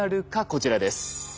こちらです。